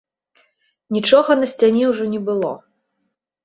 Нічога на сцяне ўжо не было.